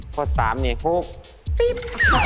ข้อ๓เนี่ยฮู้ปีป